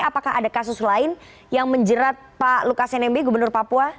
apakah ada kasus lain yang menjerat pak lukas nmb gubernur papua